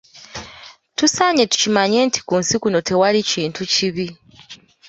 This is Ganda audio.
Tusaanye tukimanye nti ku nsi kuno tewali kintu kibi.